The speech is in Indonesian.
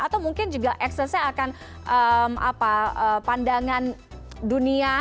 atau mungkin juga eksesnya akan pandangan dunia